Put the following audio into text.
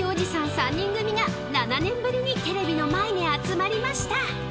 ３人組が７年ぶりにテレビの前に集まりました］